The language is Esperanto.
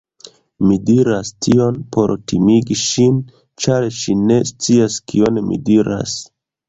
Mi diras tion por timigi ŝin, ĉar ŝi ne scias kion mi diras.